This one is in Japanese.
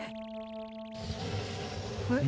えっ？